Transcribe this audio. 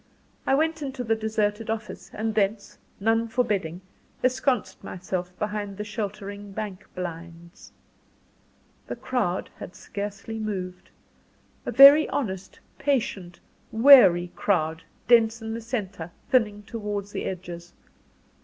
I went into the deserted office; and thence, none forbidding, ensconced myself behind the sheltering bank blinds. The crowd had scarcely moved; a very honest, patient, weary crowd dense in the centre, thinning towards the edges.